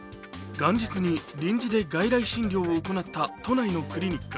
元日に臨時で外来診療を行った都内のクリニック。